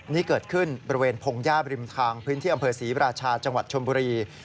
นี่เกิดขึ้นบริมทางพงฆ่าพื้นที่อำเภอศรีราชาจังหวัดชมบุรี